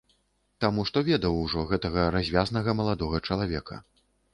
Таму, што ведаў ужо гэтага развязнага маладога чалавека.